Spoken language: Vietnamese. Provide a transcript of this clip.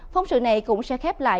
phóng sự này cũng sẽ khép lại